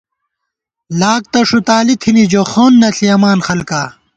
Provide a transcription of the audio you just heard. لاک تہ ݭُتالی تھنی جو خَون نہ ݪِیَمان خلکا